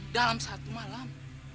dalam satu malam